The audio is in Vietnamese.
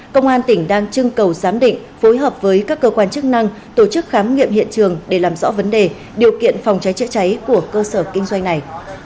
công an tỉnh đang trưng cầu giám định phối hợp với các cơ quan chức năng tổ chức khám nghiệm hiện trường để làm rõ vấn đề điều kiện phòng cháy chữa cháy của cơ sở kinh doanh này